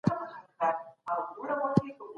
کارخانې څنګه د تولید پلان جوړوي؟